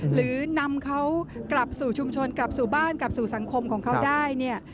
หรือนำเขากลับสู่ชุมชนกลับสู่บ้านกลับสู่สังคมของเขาได้เนี่ย